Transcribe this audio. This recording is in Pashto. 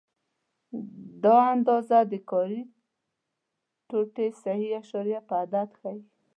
دا اندازه د کاري ټوټې صحیح اعشاریه عدد ښيي.